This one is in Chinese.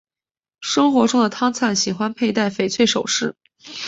生活中的汤灿喜欢佩戴翡翠首饰。